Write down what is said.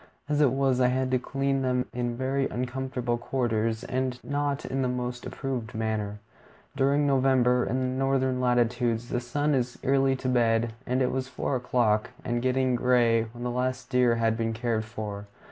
As it was, I had to clean them in very uncomfortable quarters and not in the most approved manner. During November, in the northern latitudes, the sun is early to bed, and it was four o'clock and getting gray when the last deer had been cared for.